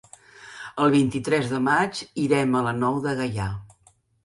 El vint-i-tres de maig irem a la Nou de Gaià.